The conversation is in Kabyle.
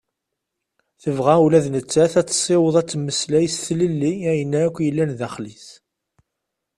Tebɣa ula d nettat ad tessiweḍ ad temmeslay s tlelli ayen akk yellan daxel-is.